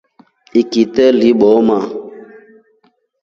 Ikite libooma.